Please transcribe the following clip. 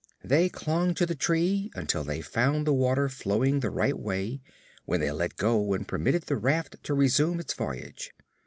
They clung to the tree until they found the water flowing the right way, when they let go and permitted the raft to resume its voyage.